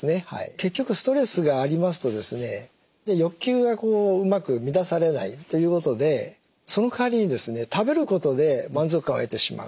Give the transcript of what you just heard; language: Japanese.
結局ストレスがありますとですね欲求がうまく満たされないということでそのかわりにですね食べることで満足感を得てしまう。